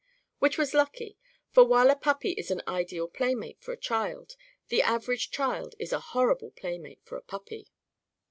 Which was lucky. For, while a puppy is an ideal playmate for a child, the average child is a horrible playmate for a puppy.